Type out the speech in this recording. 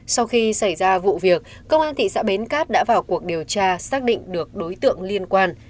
sau khi xảy ra vụ việc công an thị xã bến cát đã vào cuộc điều tra xác định được đối tượng liên quan